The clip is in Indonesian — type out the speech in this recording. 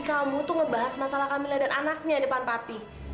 kamu tuh ngebahas masalah kamila dan anaknya depan papi